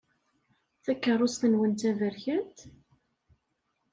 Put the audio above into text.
Takeṛṛust-nwen d taberkant?